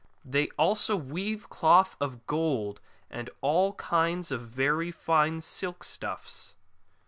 They also weave cloths of gold, and all kinds of very fine silk stuffs.